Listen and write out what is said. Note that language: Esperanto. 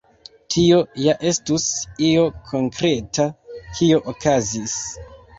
Tio ja estus io konkreta, kio okazis.